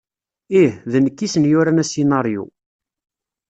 Ih, d nekk i sen-yuran asinaryu.